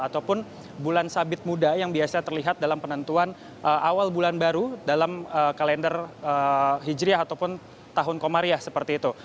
ataupun bulan sabit muda yang biasa terlihat dalam penentuan awal bulan baru dalam kalender hijriah ataupun tahun komariah seperti itu